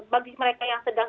bagi mereka yang sedang